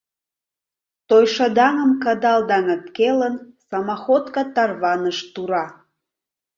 Той шыдаҥым кыдал даҥыт келын, Самоходка тарваныш тура.